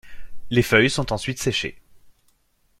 Les feuilles sont ensuite séchées.